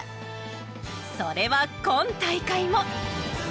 それは今大会も。